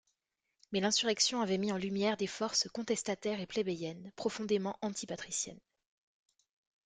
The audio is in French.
Mais l'insurrection avait mis en lumière des forces contestataires et plébéiennes, profondément anti-patriciennes.